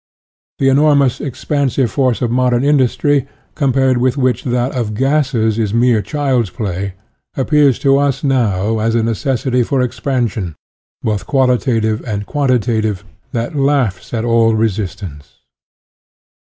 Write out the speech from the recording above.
The enormous expan sive force of modern industry, compared with which that of gases is mere child's play, appears to us now as a necessity for expansion, both qualitative and quanti tative, that laughs at all resistance.